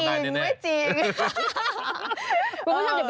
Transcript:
ใจดีชอบ